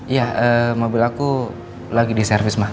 iya mobil aku lagi di servis